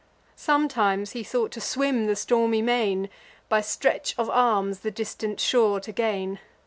Sometimes he thought to swim the stormy main, By stretch of arms the distant shore to gain.